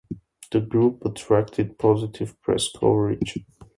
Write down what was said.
The group attracted positive press coverage.